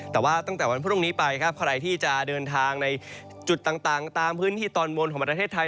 แต่ว่าตั้งแต่วันพรุ่งนี้ไปครับใครที่จะเดินทางในจุดต่างตามพื้นที่ตอนบนของประเทศไทย